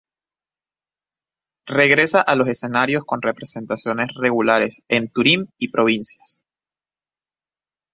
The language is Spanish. Regresa a los escenarios con representaciones regulares en Turín y provincias.